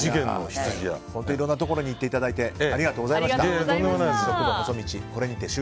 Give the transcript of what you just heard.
いろんなところに行っていただいてありがとうございました。